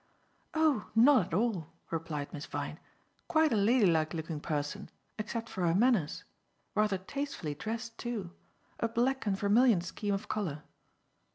"Oh, not at all," replied Miss Vyne. "Quite a ladylike looking person, except for her manners. Rather tastefully dressed, too; a black and vermilion scheme of colour."